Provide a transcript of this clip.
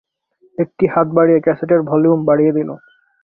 একটি হাত বাড়িয়ে ক্যাসেটের ভল্যুম বাড়িয়ে দিল।